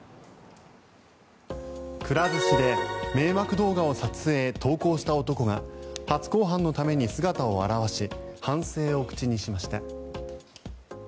くら寿司で迷惑動画を撮影・投稿した男が初公判のために姿を現し反省を口にしました。